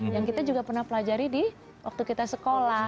yang kita juga pernah pelajari di waktu kita sekolah